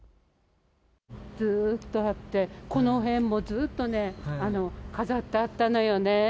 ずっとあって、この辺もずっとね、飾ってあったのよね。